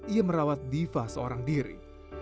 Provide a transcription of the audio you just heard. ia merawat diva seorang diri